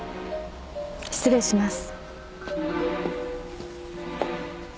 失礼します。